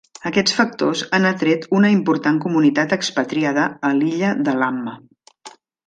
Aquests factors han atret una important comunitat expatriada a l'illa de Lamma.